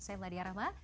saya mladia rahmat